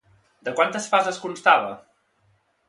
De quantes fases constava?